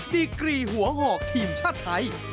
ดีกรีหัวหอกทีมชาติไทย